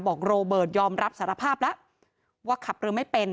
โรเบิร์ตยอมรับสารภาพแล้วว่าขับหรือไม่เป็น